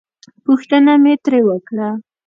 پوښتنه مې ترې وکړه.